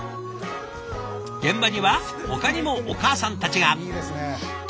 現場にはほかにもお母さんたちが。